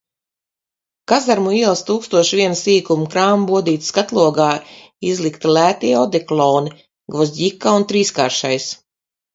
Kazarmu ielas tūkstoš viena sīkuma krāmu bodītes skatlogā izlikti lētie odekoloni, "Gvozģika" un "Trīskāršais".